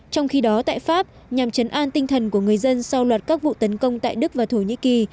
trong khi đó tại pháp nhằm chấn an tinh thần của người dân sau loạt các vụ tấn công tại đức và thổ nhĩ kỳ